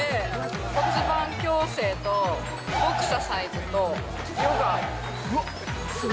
骨盤矯正とボクササイズとヨガ。